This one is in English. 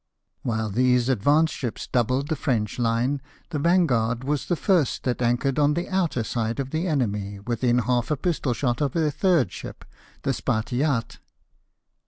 While these advanced ships doubled the French line, the Vanguard was the first that anchored on the outer side of the enemy, within half pistol shot of their third ship, the Spartiate.